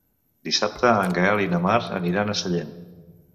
Dissabte en Gaël i na Mar aniran a Sellent.